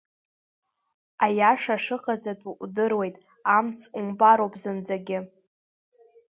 Аиаша шыҟаҵатәу удыруеит, амц умбароуп зынӡагьы!